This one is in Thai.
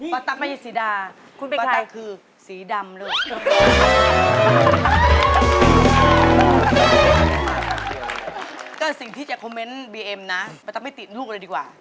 ปะตั๊กไม่ใช่สีดา